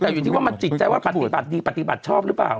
แต่อยู่ที่ว่ามันจิตใจว่าปฏิบัติดีปฏิบัติชอบหรือเปล่า